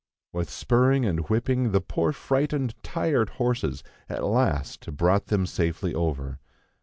With spurring and whipping, the poor frightened, tired horses at last brought them safely over.